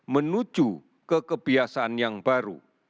menuju ke kebiasaan yang baru